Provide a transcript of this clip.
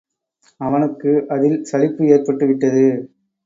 அவனுக்கு அதில் சலிப்பு ஏற்பட்டுவிட்டது.